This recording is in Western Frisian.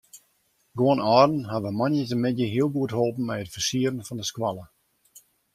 Guon âlden hawwe moandeitemiddei hiel goed holpen mei it fersieren fan de skoalle.